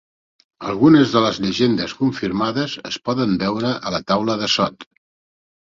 Algunes de les llegendes confirmades es poden veure a la taula de sot.